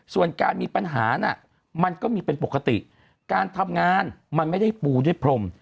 ส่วนการมีปัญหาน่ะมันก็มีเป็นปกติการทำงานมันไม่ได้ปูด้วยพรม